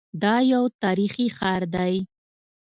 دا یو تاریخي ښار دی.